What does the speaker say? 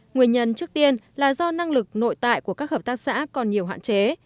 nguyên nhân trước tiên là do năng lực nội tại của các hợp tác xã còn nhiều hoạn chế